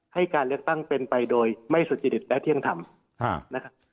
ให้การเลือกตั้งเป็นไปโดยไม่สุจริตและเที่ยงธรรมนะครับ